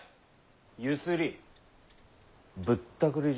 ゆすりぶったくりじゃ。